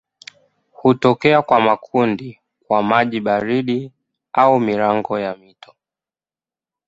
Hutokea kwa makundi kwa maji baridi au milango ya mito.